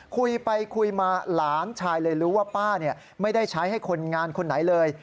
คุยไปคุยมาหลานชายเลยรู้ว่าป้าไม่ได้ใช้ให้คนงานคนไหนเลย